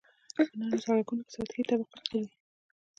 په نرمو سرکونو کې سطحي طبقه قیر وي